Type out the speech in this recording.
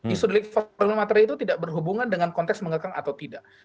isu delik formil dan materil itu tidak berhubungan dengan konteks mengekang atau tidak